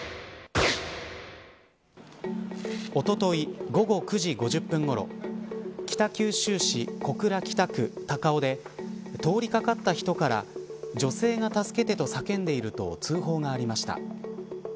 おととい午後９時５０分ごろ北九州市小倉北区高尾で通りかかった人から女性が助けてと叫んでいると通報がありました。